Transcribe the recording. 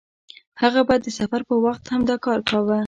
هغه به د سفر په وخت هم دا کار کاوه.